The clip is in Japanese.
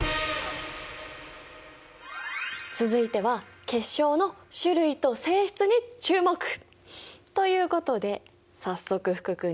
続いては結晶の種類と性質に注目！ということで早速福君に問題です。